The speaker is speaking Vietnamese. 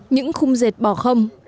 những khung dệt bò không